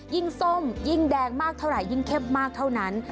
ส้มยิ่งแดงมากเท่าไหรยิ่งเข้มมากเท่านั้น